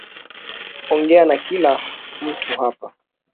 Ongea na kila mtu hapa